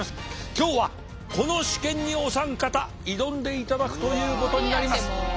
今日はこの試験にお三方挑んでいただくということになります。